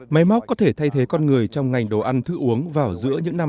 máy móc có thể thay thế con người trong ngành đồ ăn thức uống vào giữa những năm hai nghìn hai